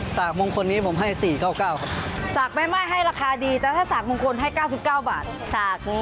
สากมงคลถ้าเจ๋งจริงแม่ให้ไม่อั้น